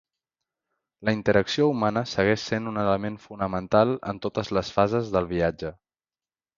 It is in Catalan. La interacció humana segueix sent un element fonamental en totes les fases del viatge.